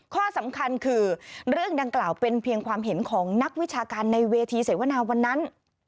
ข้อสำคัญคือเรื่องดังกล่าวเป็นเพียงความเห็นของนักวิชาการในเวทีเสวนาวันนั้น